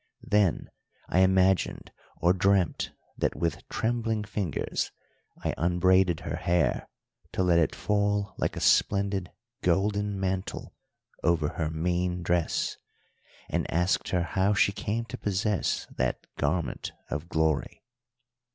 Then I imagined or dreamt that with trembling fingers I unbraided her hair to let it fall like a splendid golden mantle over her mean dress, and asked her how she came to possess that garment of glory.